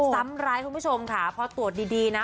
ซ้ำร้ายคุณผู้ชมค่ะพอตรวจดีนะ